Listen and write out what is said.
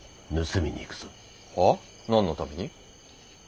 はあ？何のために？